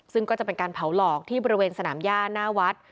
ซึ่งก็จะเป็นการเผาหลอกที่บริเวณสนามย่าหน้าวัด